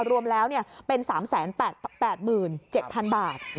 รวมแล้วเป็น๓๘๗๐๐บาท